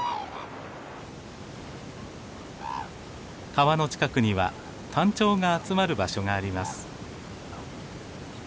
川の近くにはタンチョウが集まる場所があります。